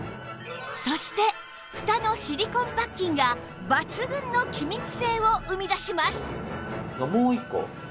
そしてふたのシリコンパッキンが抜群の気密性を生み出します